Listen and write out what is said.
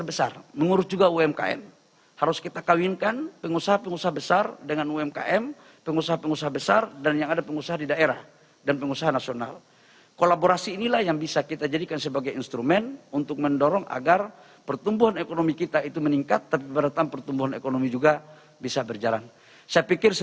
bagaimana cara anda menjaga keamanan dan keamanan indonesia